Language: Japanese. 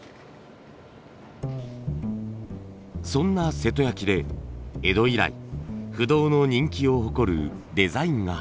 そんな瀬戸焼で江戸以来不動の人気を誇るデザインが。